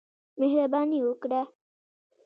مهرباني وکړه.